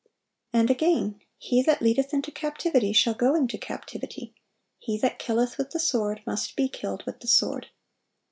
And again, "He that leadeth into captivity shall go into captivity: he that killeth with the sword must be killed with the sword."